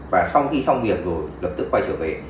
và sau khi xong việc rồi lập tức quay trở về